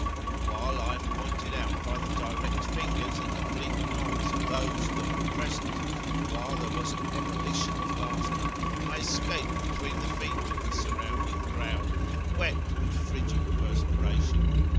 And while I am pointed out by the direct fingers and oblique nods of those that were present, while there was an ebullition of laughter, I escape between the feet of the surrounding crowd, wet with frigid perspiration.